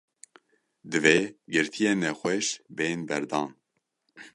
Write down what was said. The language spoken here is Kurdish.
Divê girtiyên nexweş bên berdan.